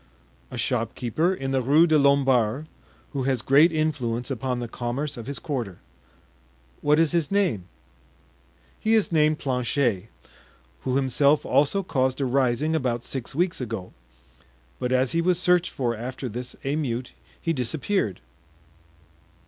"A shopkeeper in the Rue des Lombards, who has great influence upon the commerce of his quarter." "What is his name?" "He is named Planchet, who himself also caused a rising about six weeks ago; but as he was searched for after this emeute he disappeared."